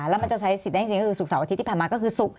แล้วมันจะใช้สิทธิ์ได้จริงก็คือศุกร์เสาร์อาทิตย์ที่ผ่านมาก็คือศุกร์